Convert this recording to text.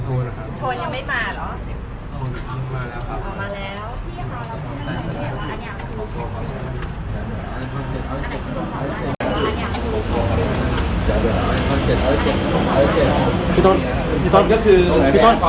โทรไม่มาหรอ